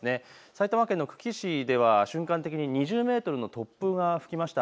埼玉県の久喜市では瞬間的に２０メートルの突風が吹きました。